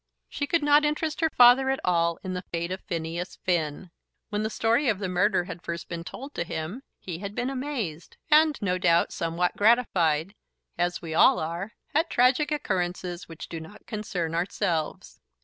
She could not interest her father at all in the fate of Phineas Finn. When the story of the murder had first been told to him, he had been amazed, and, no doubt, somewhat gratified, as we all are, at tragic occurrences which do not concern ourselves.